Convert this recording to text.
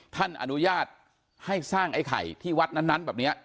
ท่านอนุญาตให้สร้างไอ้ไข่ที่วัดนั้นแบบนี้